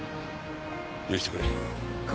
許してくれ。